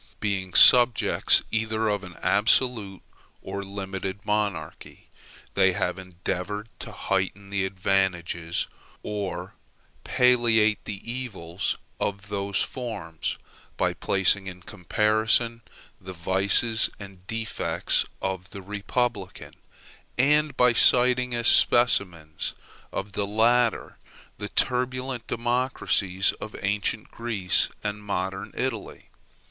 Being subjects either of an absolute or limited monarchy, they have endeavored to heighten the advantages, or palliate the evils of those forms, by placing in comparison the vices and defects of the republican, and by citing as specimens of the latter the turbulent democracies of ancient Greece and modern Italy.